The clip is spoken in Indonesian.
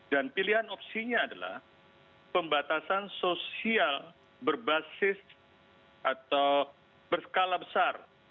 dan pilihan opsinya adalah pembatasan sosial berbasis atau berskala besar